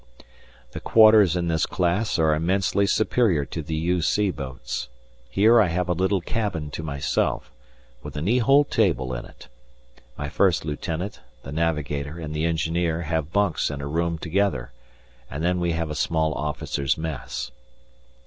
The quarters in this class are immensely superior to the U.C. boats. Here I have a little cabin to myself, with a knee hole table in it. My First Lieutenant, the Navigator and the Engineer have bunks in a room together, and then we have a small officers' mess.